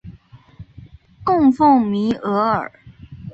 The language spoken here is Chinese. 供奉弥额尔。